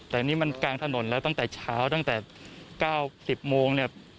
แต่นี่มันกลางถนนแล้วตั้งแต่เช้าตั้งแต่๙๐โมงเนี่ย